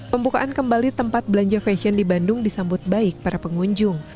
pembukaan kembali tempat belanja fashion di bandung disambut baik para pengunjung